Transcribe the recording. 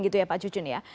gitu ya pak cucun ya